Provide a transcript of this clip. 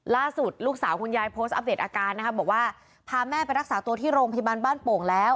ล่าสุดลูกสาวคุณยายโพสต์อัปเดตอาการนะคะบอกว่าพาแม่ไปรักษาตัวที่โรงพยาบาลบ้านโป่งแล้ว